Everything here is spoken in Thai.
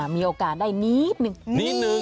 มีโอกาสได้นิดหนึ่ง